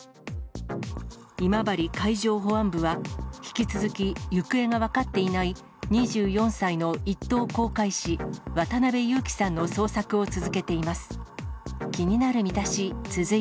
今治海上保安部は、引き続き、行方が分かっていない２４歳の１等航海士、渡辺侑樹さんの捜索を続けています。